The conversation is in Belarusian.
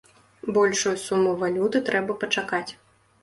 Большую суму валюты трэба пачакаць.